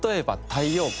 太陽光？